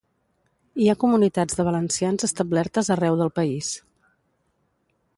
Hi ha comunitats de valencians establertes arreu del país.